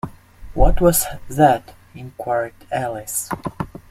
‘What was that?’ inquired Alice.